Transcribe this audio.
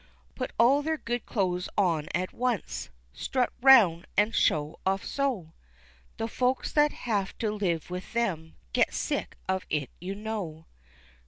Put all their good clothes on at once strut 'round an' show off so, The folks that have to live with them get sick of it you know."